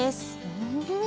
うん。